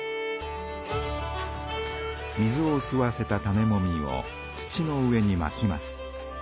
水をすわせた種もみを土の上にまきます。